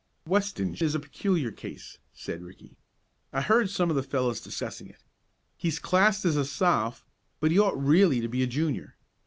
"Weston's is a peculiar case," said Ricky. "I heard some of the fellows discussing it. He's classed as a Soph., but he ought really to be a Junior.